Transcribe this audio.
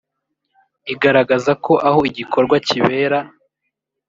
igaragaza ko aho iki gikorwa kibera